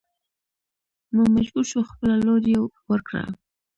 نو مجبور شو خپله لور يې ور کړه.